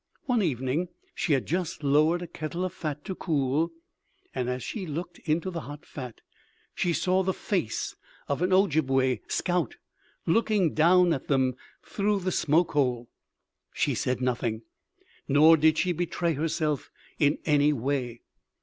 "One evening, she had just lowered a kettle of fat to cool, and as she looked into the hot fat she saw the face of an Ojibway scout looking down at them through the smoke hole. She said nothing, nor did she betray herself in any way.